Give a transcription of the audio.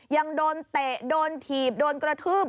ยังโดนเตะโดนถีบโดนกระทืบ